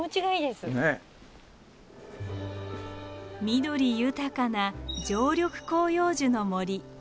緑豊かな常緑広葉樹の森。